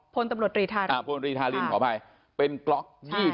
พลตำรวจรีธารินขอบายเป็นกล็อก๒๒๔๐